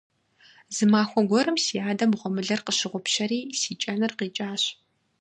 Зы махуэ гуэрым си адэм гъуэмылэр къыщыгъупщэри, си кӀэныр къикӀащ.